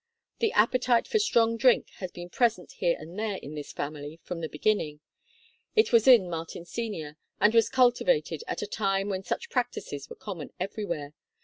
The appetite for strong drink has been present here and there in this family from the beginning. It was in Martin Sr., and was cultivated at a time when such practices were common everywhere.